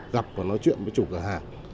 gặp và nói chuyện với chủ cửa hàng